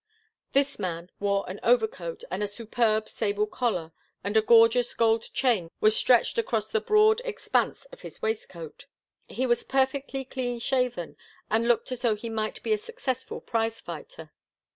This man wore an overcoat with a superb sable collar, and a gorgeous gold chain was stretched across the broad expanse of his waistcoat. He was perfectly clean shaven, and looked as though he might be a successful prize fighter.